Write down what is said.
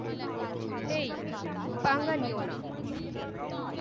হেই, পাঙ্গা নিও না!